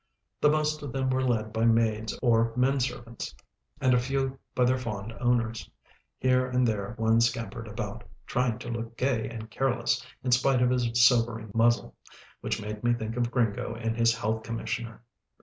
The most of them were led by maids or men servants, and a few by their fond owners. Here and there one scampered about, trying to look gay and careless in spite of his sobering muzzle, which made me think of Gringo and his health commissioner.